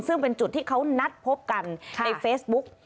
ซึ่งเป็นจุดที่เขานัดพบกันในเฟซบุ๊ก